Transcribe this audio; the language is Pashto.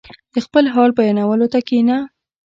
• د خپل حال بیانولو ته کښېنه.